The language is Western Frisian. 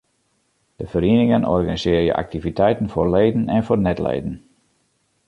De ferieningen organisearje aktiviteiten foar leden en foar net-leden.